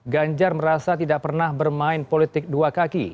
ganjar merasa tidak pernah bermain politik dua kaki